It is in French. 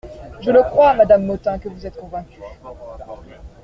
Je le crois, madame Motin, que vous êtes convaincue.